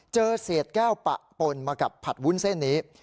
เจอเศษแก้วปะปนมากับผัดวุ้นเส้นนี้